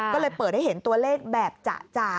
ก็เลยเปิดให้เห็นตัวเลขแบบจ่ะ